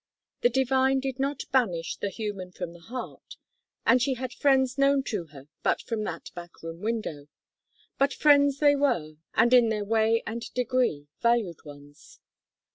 The divine did not banish the human from her heart; and she had friends known to her, but from that back room window; but friends they were, and, in their way and degree, valued ones.